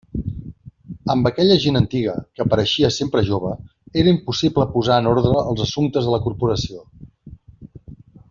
Amb aquella gent antiga, que pareixia sempre jove, era impossible posar en ordre els assumptes de la corporació.